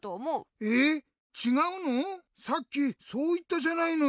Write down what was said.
さっきそういったじゃないのよ！